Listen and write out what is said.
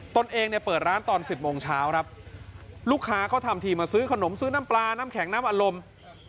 ตนเองเนี่ยเปิดร้านตอน๑๐โมงเช้าครับลูกค้าเขาทำทีมาซื้อขนมซื้อน้ำปลาน้ำแข็งน้ำอารมณ์